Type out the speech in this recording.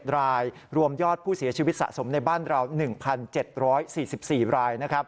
รายรวมยอดผู้เสียชีวิตสะสมในบ้านเรา๑๗๔๔ราย